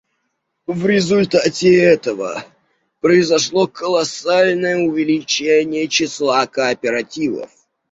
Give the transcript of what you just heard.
В результате этого произошло колоссальное увеличение числа кооперативов.